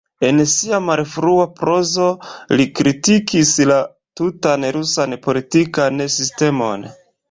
En sia malfrua prozo, li kritikis la tutan rusan politikan sistemon.